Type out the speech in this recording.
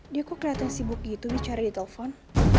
dia kok kelihatan sibuk gitu nih cari di telpon